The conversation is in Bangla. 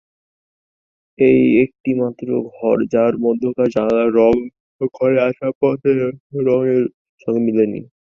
এই একটিমাত্র ঘর, যার মধ্যকার জানালার রঙ ঘরের আসবাবপত্রের রঙের সঙ্গে মেলেনি।